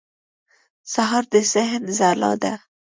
سهار د ذهن ځلا ده.